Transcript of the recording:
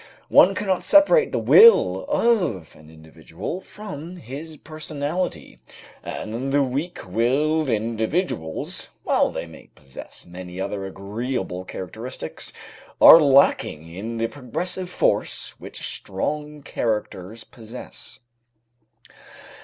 One cannot separate the will of an individual from his personality, and the weak willed individuals, while they may possess many other agreeable characteristics, are lacking in the progressive force which strong characters possess.